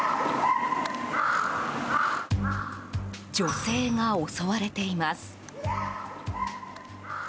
女性が襲われています。